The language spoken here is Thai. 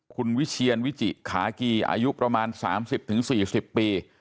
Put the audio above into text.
คุณวิเชียรวิจิขากีอายุประมาณสามสิบถึงสี่สิบปี